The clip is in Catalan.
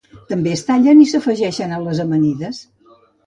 També es tallen i s'afegeixen a les amanides.